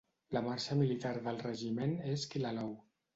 La marxa militar del regiment és Killaloe.